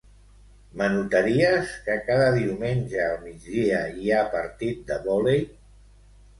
M'anotaries que cada diumenge al migdia hi ha partit de vòlei?